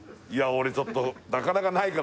俺ちょっとなかなかないからね